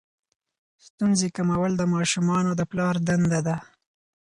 ستونزې کمول د ماشومانو د پلار دنده ده.